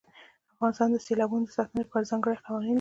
افغانستان د سیلابونو د ساتنې لپاره ځانګړي قوانین لري.